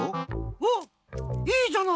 おっいいじゃない！